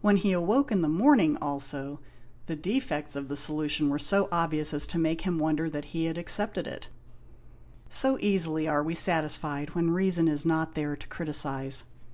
When he awoke in the morning, also, the defects of the solution were so obvious as to make him wonder that he had accepted it; so easily are we satisfied when reason is not there to criticise.